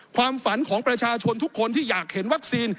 ความฝันของประชาชนทุกคนที่อยากเห็นวัคซีน